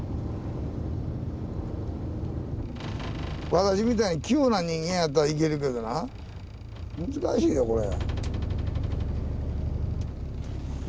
私みたいに器用な人間やったらいけるけどな難しいよこれ。